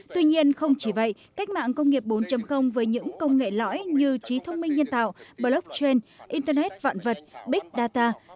tuy nhiên không chỉ vậy cách mạng công nghiệp bốn với những công nghệ lõi như trí thông minh nhân tạo blockchain internet vạn vật big data